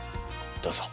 どうぞ。